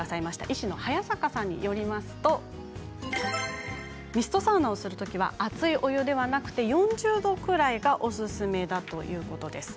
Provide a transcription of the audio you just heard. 医師の早坂さんによるとミストサウナをするときは熱いお湯ではなくて４０度くらいが、おすすめだということです。